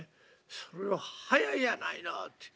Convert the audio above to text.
それを『早いやないの』って。